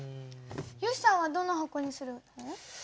よしさんはどの箱にするの？